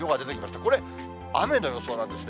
これ、雨の予想なんですね。